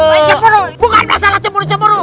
gue gak ada salah cemburu cemburu